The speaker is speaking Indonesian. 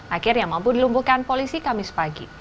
akhirnya mampu dilumpuhkan polisi kamis pagi